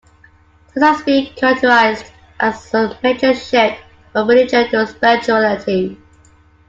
This has been characterised as a major shift from religion to spirituality.